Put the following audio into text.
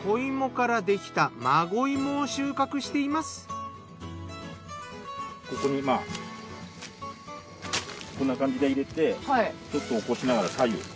畔蒜さんがここにこんな感じで入れてちょっと起こしながら左右。